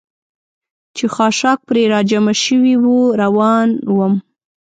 چې خاشاک پرې را جمع شوي و، روان ووم.